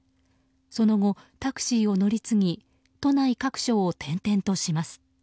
その後、タクシーを乗り継ぎ都内各所を転々とします。